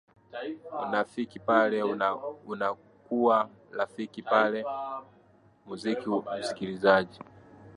urafiki pale unakuwa rafiki yake muziki msikilizaji